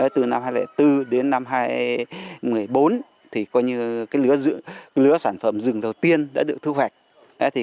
từ năm hai nghìn bốn đến năm hai nghìn một mươi bốn coi như lứa sản phẩm rừng đầu tiên đã được thu hoạch